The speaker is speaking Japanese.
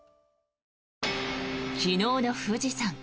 昨日の富士山。